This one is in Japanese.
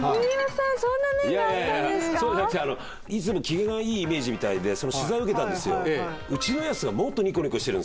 いやいやそうじゃなくていつも機嫌がいいイメージみたいで取材を受けたんですよ。